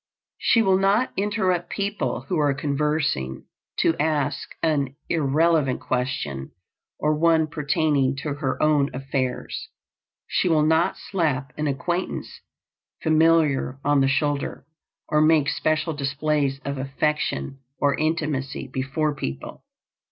She will not interrupt people who are conversing, to ask an irrelevant question or one pertaining to her own affairs. She will not slap an acquaintance familiarly on the shoulder, or make special displays of affection or intimacy before people.